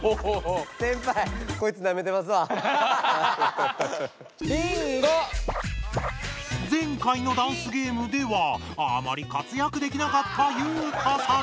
先ぱいこいつ前回のダンスゲームではあまり活躍できなかった裕太さん。